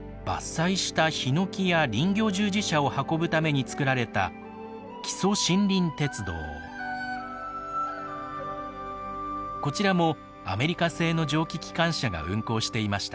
伐採したヒノキや林業従事者を運ぶために作られたこちらもアメリカ製の蒸気機関車が運行していました。